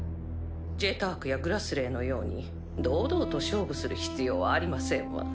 「ジェターク」や「グラスレー」のように堂々と勝負する必要はありませんわ。